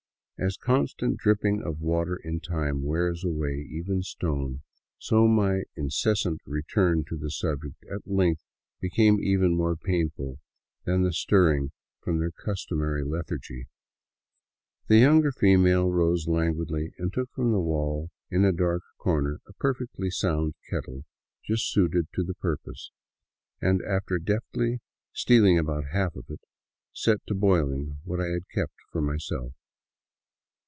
As constant dripping of water in time wears away even stone, so my incessant return to the subject at length became even more painful than the stirring from their customary lethargy. The younger female rose languidly and took from the wall in a dark corner a perfectly sound kettle just suited to the purpose and, after deftly stealing about half of it, set to boiling what I had kept for myself.